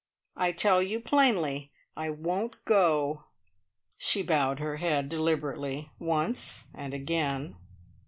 I tell you plainly I won't go." She bowed her head, deliberately, once and again.